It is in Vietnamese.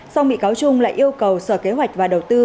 sau bị cáo chung lại yêu cầu sở kế hoạch và đầu tư